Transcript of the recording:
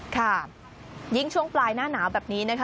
ค่ะยิ่งช่วงปลายหน้าหนาวแบบนี้นะคะ